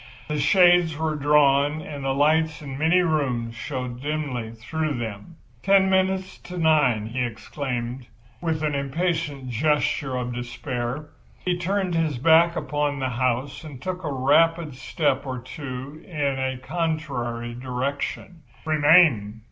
The shades were drawn, and the lights in many rooms shone dimly through them. "Ten minutes to nine!" exclaimed the young man, with an impatient gesture of despair. He turned his back upon the house and took a rapid step or two in a contrary direction. "Remain!"